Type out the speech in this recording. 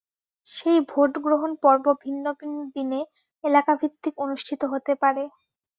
সেই ভোট গ্রহণ পর্ব ভিন্ন ভিন্ন দিনে এলাকাভিত্তিক অনুষ্ঠিত হতে পারে।